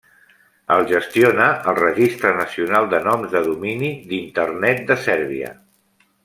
El gestiona el Registre Nacional de Noms de Domini d'Internet de Sèrbia.